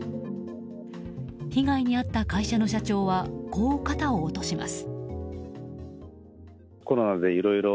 被害に遭った会社の社長はこう肩を落とします。